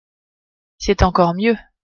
C'est encore mieux.